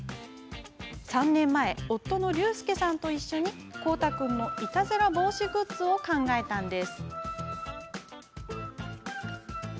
３年前、夫の隆介さんと一緒に皓大君のいたずら防止グッズを考えたんです。